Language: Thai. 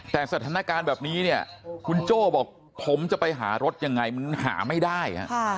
แต่สถานการณ์แบบนี้เนี่ยคุณโจ้บอกผมจะไปหารถยังไงมันหาไม่ได้